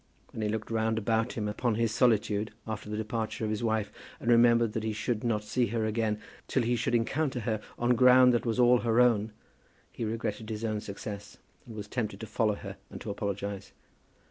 When he looked round about him upon his solitude after the departure of his wife, and remembered that he should not see her again till he should encounter her on ground that was all her own, he regretted his own success, and was tempted to follow her and to apologize.